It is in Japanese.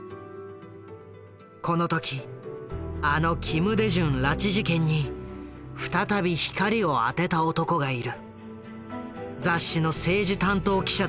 この時あの金大中拉致事件に再び光を当てた男がいる。